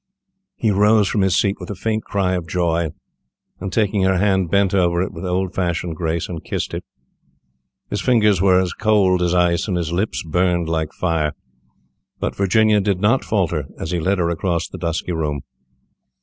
He rose from his seat with a faint cry of joy, and taking her hand bent over it with old fashioned grace and kissed it. His fingers were as cold as ice, and his lips burned like fire, but Virginia did not falter, as he led her across the dusky room.